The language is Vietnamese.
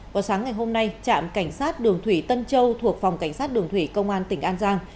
vào sáng ngày hôm nay trạm cảnh sát đường thủy tân châu thuộc phòng cảnh sát đường thủy công an tỉnh an giang